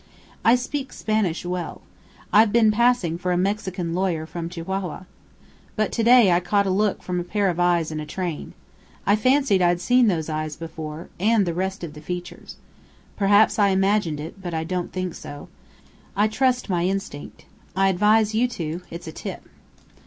"I speak Spanish well. I've been passing for a Mexican lawyer from Chihuahua. But to day I caught a look from a pair of eyes in a train. I fancied I'd seen those eyes before and the rest of the features. Perhaps I imagined it. But I don't think so. I trust my instinct. I advise you to! It's a tip.